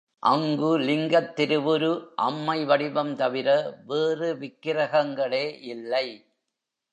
அங்கு லிங்கத் திருவுரு, அம்மை வடிவம் தவிர வேறு விக்கிரகங்களே இல்லை.